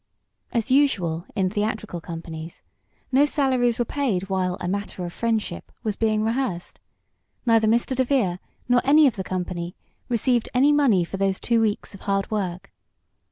As usual in theatrical companies, no salaries were paid while "A Matter of Friendship" was being rehearsed. Neither Mr. DeVere, nor any of the company, received any money for those two weeks of hard work.